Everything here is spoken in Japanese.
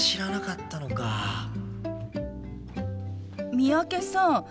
三宅さん